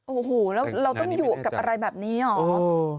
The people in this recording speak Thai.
โอ้โหแล้วเราต้องอยู่กับอะไรแบบนี้เหรอ